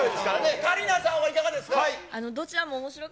香里奈さんはいかがですか？